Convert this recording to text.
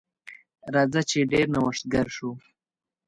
راځه چې ډیر نوښتګر شو.